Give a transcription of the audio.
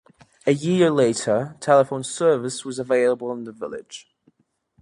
A year later, telephone service was available in the Village.